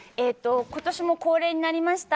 今年も恒例になりました